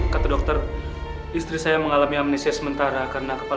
kata dokter istri saya mengalami amnesia sementara karena kepala